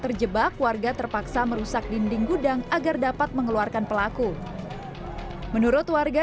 terjebak warga terpaksa merusak dinding gudang agar dapat mengeluarkan pelaku menurut warga